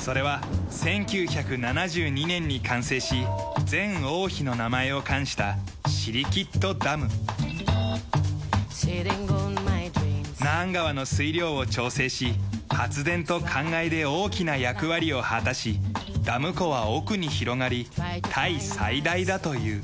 それは１９７２年に完成し前王妃の名前を冠したナーン川の水量を調整し発電と灌漑で大きな役割を果たしダム湖は奥に広がりタイ最大だという。